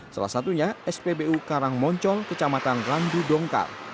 salah satunya spbu karangmoncol kecamatan randu dongkar